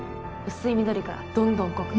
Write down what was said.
薄い緑からどんどん濃く。